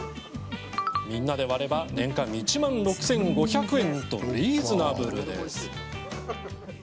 みんなで割れば年間１万６５００円とリーズナブルです。